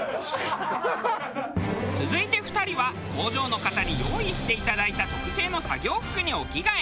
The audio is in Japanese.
続いて２人は工場の方に用意していただいた特製の作業服にお着替え。